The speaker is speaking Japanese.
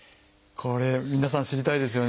これ皆さん知りたいですよね。